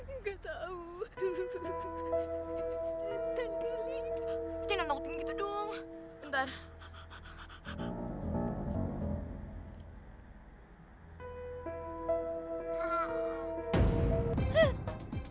ini dur post smellsnya ini apa armsnya ini